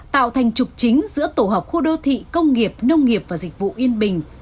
tạo thành trục chính giữa tổ hợp khu đô thị công nghiệp nông nghiệp và dịch vụ yên bình